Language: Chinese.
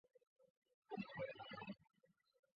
他的意识和意愿在同年龄层的球员中算是成熟的。